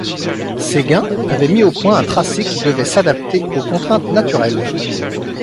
Seguin avait mis au point un tracé qui devait s'adapter aux contraintes naturelles.